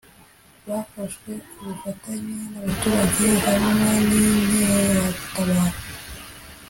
bafashwe ku bufatanye n’abaturage hamwe n’ inkeragutabara